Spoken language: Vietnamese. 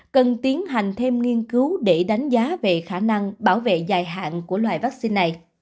cần tiến hành thêm nghiên cứu để đánh giá về khả năng bảo vệ dài hạn của loại vaccine này